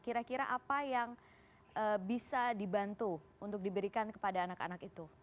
kira kira apa yang bisa dibantu untuk diberikan kepada anak anak itu